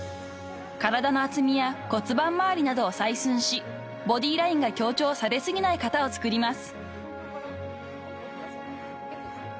［体の厚みや骨盤周りなどを採寸しボディーラインが強調されすぎない型を作ります］